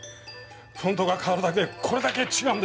フォントが変わるだけでこれだけ違うんですね。